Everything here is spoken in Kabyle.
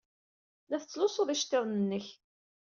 La tettlusuḍ iceḍḍiḍen-nnek.